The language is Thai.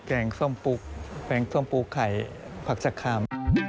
แกงส้มปลูกแกงส้มปลูกไข่ผักสะคำ